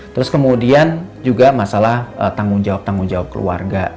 terus kemudian juga masalah tanggung jawab tanggung jawab keluarga